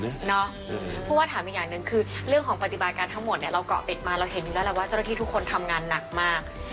เพราะว่าถามอีกอย่างหนึ่งคือเรื่องของปฏิบัติการทั้งหมดเนี่ยเราเกาะติดมาเราเห็นอยู่แล้วแหละว่าเจ้าหน้าที่ทุกคนทำงานหนักมาก